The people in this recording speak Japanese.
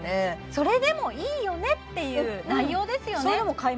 それでもいいよねっていう内容ですよね